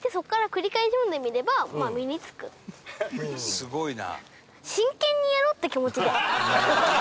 「すごいな」